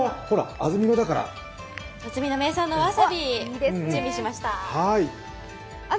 安曇野名産のわさびを準備しました。